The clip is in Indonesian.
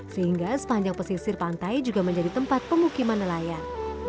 sehingga sepanjang pesisir pantai juga menjadi tempat pemukiman nelayan